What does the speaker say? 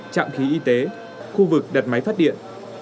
trạm khí y tế khu vực đặt máy phát điện